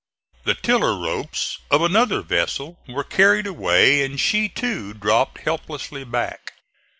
The tiller ropes of another vessel were carried away and she, too, dropped helplessly back.